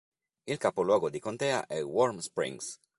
Il capoluogo di contea è Warm Springs.